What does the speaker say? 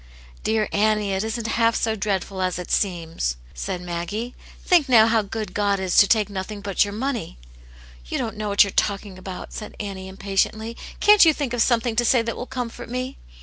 " Dear Annie, it isn't \\'^\i *Q dt^^.^l\iS. ^.V^ ^'^^^^^> 1 90 . Aunt Janets Hero, said Maggie. " Think now how good God is to take nothing but your money." " You don*t know what you're talking about," said Annie, impatiently. " Can't you think of something to say that will comfort me